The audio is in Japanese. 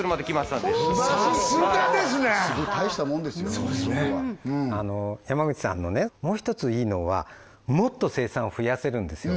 たいしたもんですよ山口さんのもう１ついいのはもっと生産を増やせるんですよ